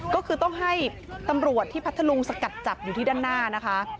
ก็คือต้องให้ตำรวจที่พัทธลุงสกัดจับอยู่ที่ด้านหน้านะคะ